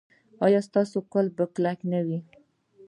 ایا ستاسو قفل به کلک نه وي؟